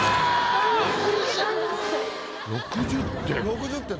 ６０点。